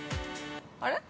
あれ？